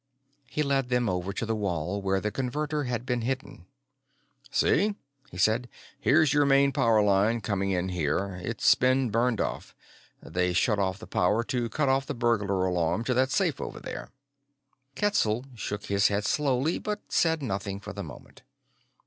He led them over to the wall where the Converter had been hidden. "See," he said, "here's your main power line coming in here. It's been burned off. They shut off the power to cut off the burglar alarm to that safe over there." Ketzel shook his head slowly, but said nothing for the moment.